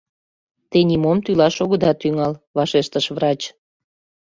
— Те нимом тӱлаш огыда тӱҥал, — вашештыш врач.